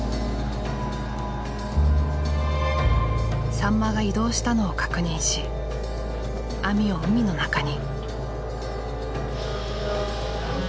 サンマが移動したのを確認し網を海の中に。